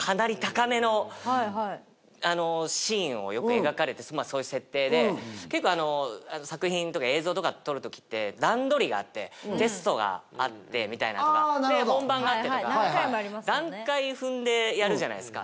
シーンをよく描かれてそういう設定で結構作品とか映像とか撮るときって段取りがあってテストがあって本番があってとか段階踏んでやるじゃないですか。